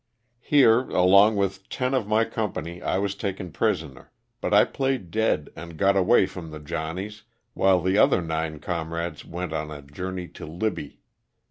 Here, along with ten of my company, I was taken prisoner, but 1 played dead and got away from the "Johnnies," while the other nine comrades went on a journey to Libby.